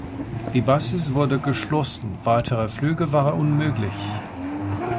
Die Basis wurde geschlossen, weitere Flüge waren unmöglich.